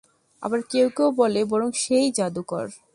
আবার কেউ কেউ বলে, বরং সে-ই জাদুকর।